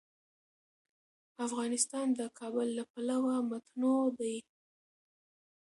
افغانستان د کابل له پلوه متنوع دی.